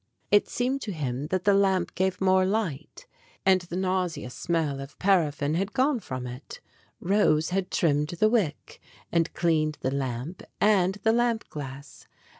It seemed to him that the lamp gave more light, and the nause ous smell of paraffin had gone from it. Rose had trimmed the wick, and cleaned the lamp and the lamp glass.